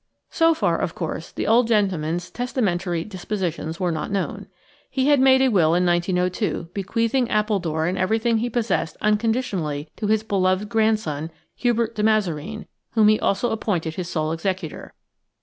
So far, of course, the old gentleman's testamentary dispositions were not known. He had made a will in 1902 bequeathing Appledore and everything he possessed unconditionally to his beloved grandson, Hubert de Mazareen, whom he also appointed his sole executor.